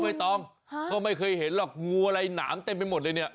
ใบตองก็ไม่เคยเห็นหรอกงูอะไรหนามเต็มไปหมดเลยเนี่ย